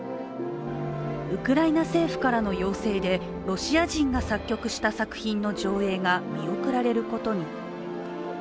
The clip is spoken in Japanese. ウクライナ政府からの要請でロシア人が作曲した作品の上映が見送られることに。